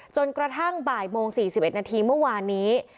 จนกระทั่งบ่ายโมง๔๑นาทีเมื่อวานนี้